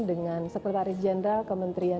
dengan sekretaris jenderal kementerian